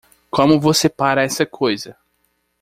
Como você para essa coisa?